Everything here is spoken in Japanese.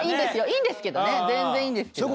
いいんですけどね全然いいんですけど。